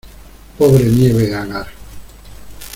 ¡ pobre Nieves Agar